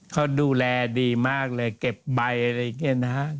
เขาดูแลดีมากเลยเก็บใบอะไรอย่างนี้นะครับ